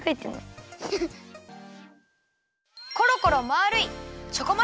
コロコロまあるい